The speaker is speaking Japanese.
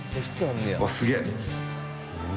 わっすげえ！